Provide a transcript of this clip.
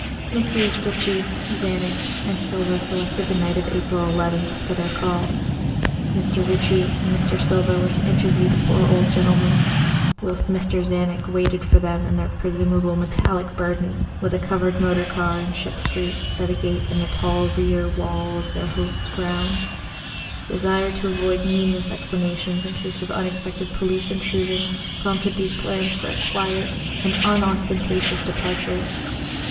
Messrs. Ricci, Czanek, and Silva selected the night of April 11th for their call. Mr. Ricci and Mr. Silva were to interview the poor old gentleman, whilst Mr. Czanek waited for them and their presumable metallic burden with a covered motor car in Ship Street, by the gate in the tall rear wall of their host's grounds. Desire to avoid needless explanations in case of unexpected police intrusions prompted these plans for a quiet and unostentatious departure.